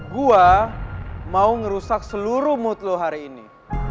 gue mau ngerusak seluruh mood lu hari ini